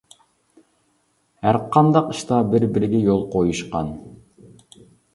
ھەر قانداق ئىشتا بىر-بىرىگە يول قويۇشقان.